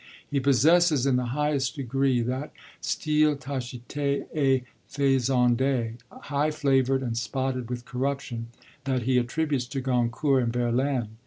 He possesses, in the highest degree, that style tacheté et faisandé high flavoured and spotted with corruption that he attributes to Goncourt and Verlaine.